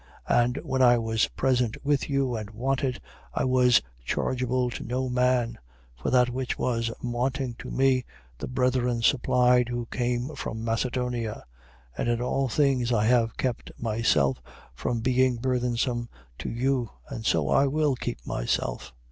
11:9. And, when I was present with you and wanted, I was chargeable to no man: for that which was wanting to me, the brethren supplied who came from Macedonia. And in all things I have kept myself from being burthensome to you: and so I will keep myself.